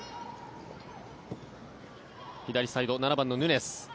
左サイド、７番のヌニェス。